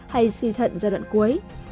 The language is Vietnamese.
hay suy thận giai đoạn cuối